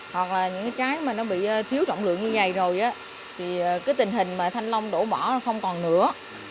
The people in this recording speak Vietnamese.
hoặc là những cái trái mà nó bị thiếu trọng lượng như vầy rồi á thì cái tình hình mà thanh long đổ bỏ là không còn nữa